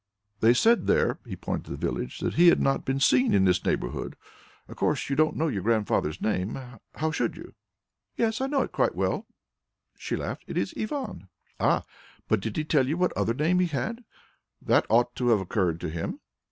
"They said there," he pointed to the village, "that he had not been seen in this neighbourhood. Of course, you don't know your grandfather's name; how should you?" "Yes, I know it quite well," she laughed. "It is Ivan." "Ah, but he did not tell you what other name he had. That ought to have occurred to him."